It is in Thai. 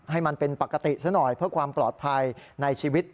ให้มันเป็นปกติซะหน่อยเพื่อความปลอดภัยในชีวิต